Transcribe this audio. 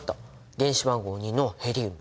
原子番号２のヘリウム。